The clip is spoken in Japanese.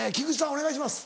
お願いします。